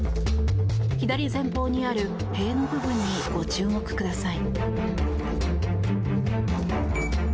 左前方にある塀の部分にご注目ください。